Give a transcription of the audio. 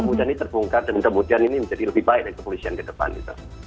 kemudian ini terbungkar dan kemudian ini menjadi lebih baik dari kepolisian kedepan gitu